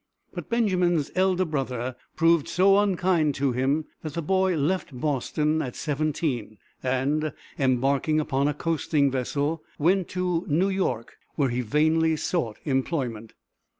But Benjamin's elder brother proved so unkind to him that the boy left Boston at seventeen, and, embarking upon a coasting vessel, went to New York, where he vainly sought employment.